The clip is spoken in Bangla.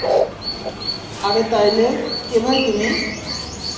আরে তাইলে, কে ভাই তুমি?